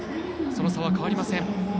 その差は変わりません。